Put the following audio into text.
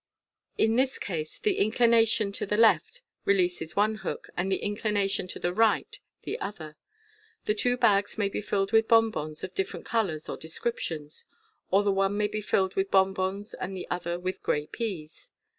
In this case an inclination to the left releases one hook, and an inclina tion to the right the other. The two bags may be filled with bonbons of different colours or descriptions, or the one may be f?led with bonbons and the other with grey peas.